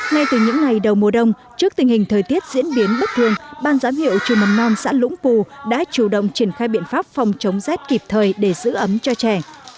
ngay từ những ngày đầu mùa đông trước tình hình thời tiết diễn biến bất thường ban giám hiệu trường mầm non xã lũng pù đã chủ động triển khai biện pháp phòng chống rét kịp thời để giữ ấm cho trẻ